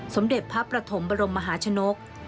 สมเด็จพระประถมบรมมหาชนก